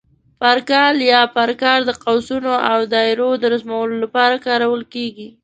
پر کال یا پر کار د قوسونو او دایرو د رسمولو لپاره کارول کېږي.